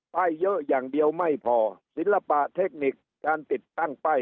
ป้ายเยอะอย่างเดียวไม่พอศิลปะเทคนิคการติดตั้งป้าย